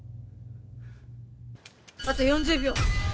あと４０秒。